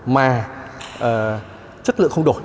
mà chất lượng không đổi